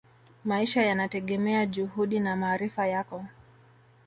maisha yanategemea juhudi na maarifa yako